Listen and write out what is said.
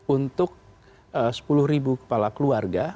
untuk sepuluh kepala keluarga